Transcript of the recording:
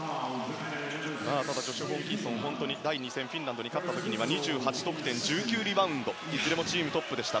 ただ、ジョシュ・ホーキンソンは本当に第２戦フィンランドに勝った時は２８得点１９リバウンドいずれもチームトップでした。